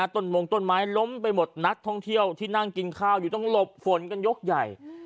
มงต้นไม้ล้มไปหมดนักท่องเที่ยวที่นั่งกินข้าวอยู่ต้องหลบฝนกันยกใหญ่